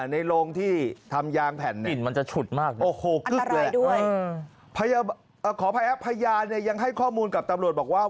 ในโรงที่ทำยางแผ่นมันจะฉุดมากอันตรายด้วยขอพยายามยังให้ข้อมูลกับตำรวจบอกว่า